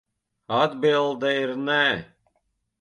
Atbilde ir nē.